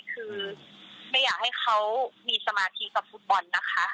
คือไม่อยากให้เขามีสมาธิกับฟุตบอลนะคะ